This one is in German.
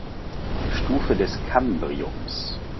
Stufe des Kambriums.